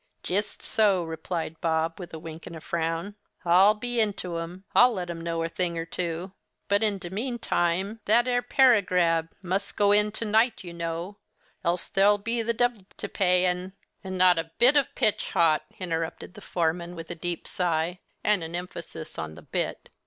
'Jist so,' replied Bob, with a wink and a frown—'I'll be into 'em, I'll let 'em know a thing or two; but in de meantime, that ere paragrab? Mus go in to night, you know—else there'll be the d—l to pay, and—' 'And not a bit of pitch hot,' interrupted the foreman, with a deep sigh, and an emphasis on the 'bit.